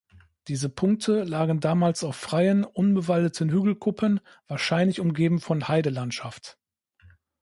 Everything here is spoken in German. Diese Punkte lagen damals auf freien, unbewaldeten Hügelkuppen, wahrscheinlich umgeben von Heidelandschaft.